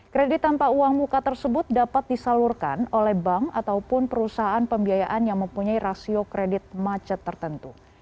kredit tanpa uang muka tersebut dapat disalurkan oleh bank ataupun perusahaan pembiayaan yang mempunyai rasio kredit macet tertentu